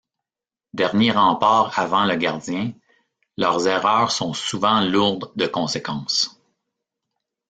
Derniers remparts avant le gardien, leurs erreurs sont souvent lourdes de conséquences.